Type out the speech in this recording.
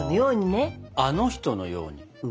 あの人のようにね。